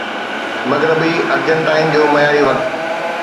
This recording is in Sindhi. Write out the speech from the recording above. مغربي ارجنٽائن جو معياري وقت